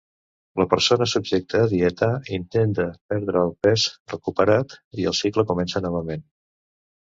La persona subjecta a dieta, intenta perdre el pes recuperat i el cicle comença novament.